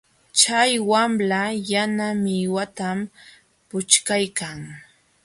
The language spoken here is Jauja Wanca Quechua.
Chay wamla yana millwatam puchkaykan.